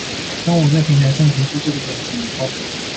當我在平台上提出這個點子以後